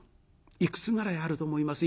いくつぐらいあると思います？